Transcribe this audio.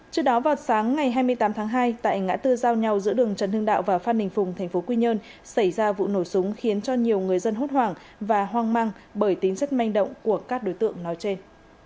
trước đó vào sáng ngày hai mươi tám tháng hai tại ngã tư giao nhau giữa đường trần hưng đạo và phan đình phùng tp quy nhơn xảy ra vụ nổ súng khiến cho nhiều người dân hốt hoảng và hoang mang bởi tính rất manh động của các đối tượng nói trên